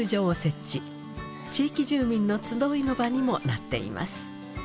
地域住民の集いの場にもなっています。